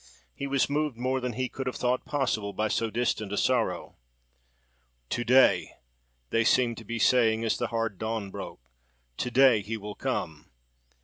He was moved more than he could have thought possible by so distant a sorrow. "To day!"—they seemed to be saying as the hard dawn broke,—"To day, he will come!"